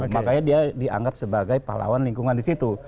makanya dia dianggap sebagai pahlawan lingkungan disitu